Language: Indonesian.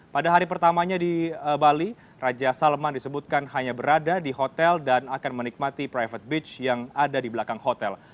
pada hari pertamanya di bali raja salman disebutkan hanya berada di hotel dan akan menikmati private beach yang ada di belakang hotel